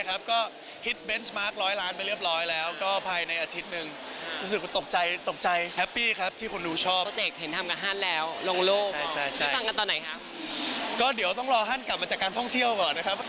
ฮั่นกลับมาจากการท่องเที่ยวก่อนนะครับ